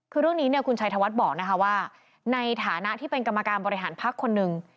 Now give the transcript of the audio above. คือเรื่องนี้คุณชายธวัตรบอกว่าในฐานะที่เป็นกรรมการบริหารภักษ์คนหนึ่ง